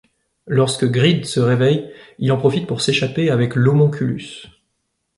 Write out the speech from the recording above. Lorsque Greed se réveille, il en profite pour s'échapper avec l'homonculus.